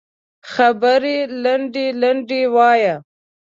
خبرې لنډې لنډې وایه